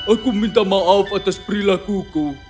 aku minta maaf atas perilakuku